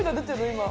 今。